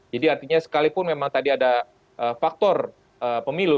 jadi artinya sekalipun memang tadi ada faktor pemilu